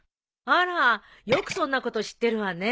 あらよくそんなこと知ってるわね。